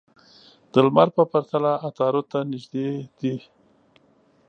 د لمر په پرتله عطارد ته نژدې دي.